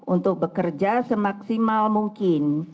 untuk bekerja semaksimal mungkin